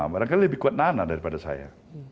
barangkali lebih kuat nana daripada saya